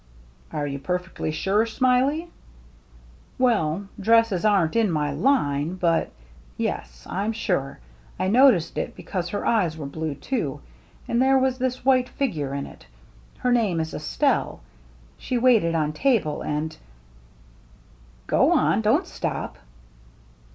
" Are you perfectly sure. Smiley ?" "Well — dresses aren't in my line, but — yes, I'm sure. I noticed it because her eyes were blue too — and there was this white figure in it. Her name is Estelle. She waited on table, and —"" Go on — don't stop."